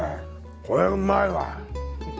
これうまいわ！